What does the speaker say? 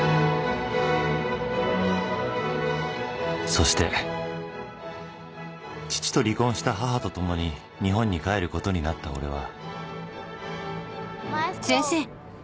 そして父と離婚した母とともに日本に帰ることになった俺は］